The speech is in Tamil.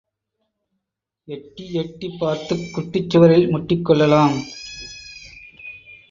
எட்டி எட்டிப் பார்த்துக் குட்டிச் சுவரில் முட்டிக் கொள்ளலாம்.